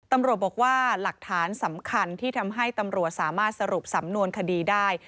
ตำรวจบอกว่าหลักฐานสำคัญที่ทำให้ตำรวจสามารถสรุปสำนวนคดีได้